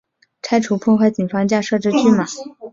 拆除破坏警方架设之拒马